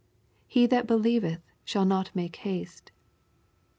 " He that be lieveth shall not make haste."